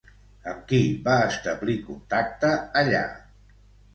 Amb qui va establir contacte allà?